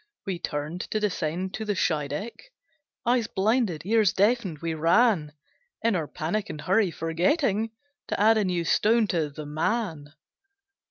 We turned to descend to the Scheideck, Eyes blinded, ears deafened, we ran, In our panic and hurry, forgetting To add a new stone to the man.